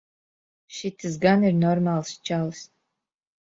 Šitas gan ir normāls čalis.